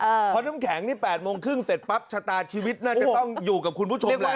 เพราะน้ำแข็งนี่๘โมงครึ่งเสร็จปั๊บชะตาชีวิตน่าจะต้องอยู่กับคุณผู้ชมแหละ